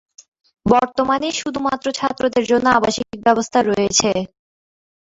বর্তমানে শুধুমাত্র ছাত্র দের জন্য আবাসিক ব্যবস্থা রয়েছে।